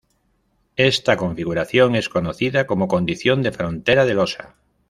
Esta configuración es conocida como condición de frontera de losa.